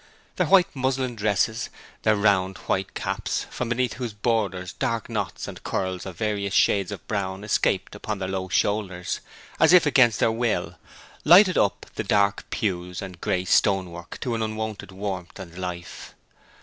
Their white muslin dresses, their round white caps, from beneath whose borders hair knots and curls of various shades of brown escaped upon their low shoulders, as if against their will, lighted up the dark pews and grey stone work to an unwonted warmth and life.